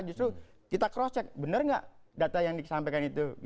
justru kita cross check benar nggak data yang disampaikan itu